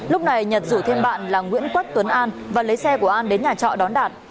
lúc này nhật rủ thêm bạn là nguyễn quốc tuấn an và lấy xe của an đến nhà trọ đón đạt